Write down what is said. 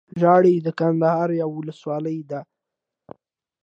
ژړۍ دکندهار يٶه ولسوالې ده